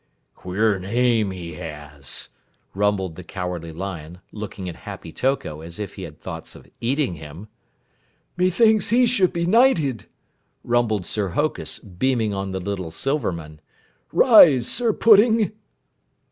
"Queer name he has," rumbled the Cowardly Lion, looking at Happy Toko as if he had thoughts of eating him. "Methinks he should be knighted," rumbled Sir Hokus, beaming on the little Silverman. "Rise, Sir Pudding!"